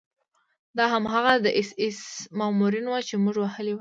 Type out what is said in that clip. دا هماغه د اېس ایس مامورین وو چې موږ وهلي وو